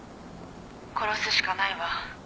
「殺すしかないわ。